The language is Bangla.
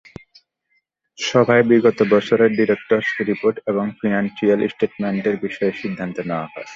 সভায় বিগত বছরের ডিরেক্টরস রিপোর্ট এবং ফিন্যান্সিয়াল স্টেটমেন্টের বিষয়ে সিদ্ধান্ত নেওয়া হয়।